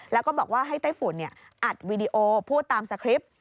แล้วก็บอกว่าให้ไต้ฝุ่นอัดวีดีโอพูดตามสคริปต์